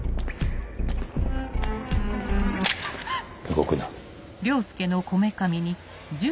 動くな。